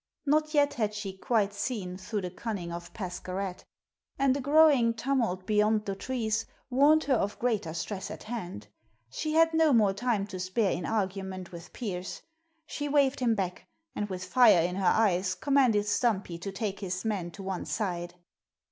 Not yet had she quite seen through the cunning of Pascherette. And a growing tumult beyond the trees warned her of greater stress at hand, she had no more time to spare in argument with Pearse. She waved him back, and with fire in her eyes commanded Stumpy to take his men to one side.